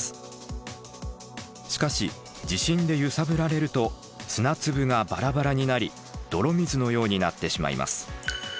しかし地震で揺さぶられると砂粒がバラバラになり泥水のようになってしまいます。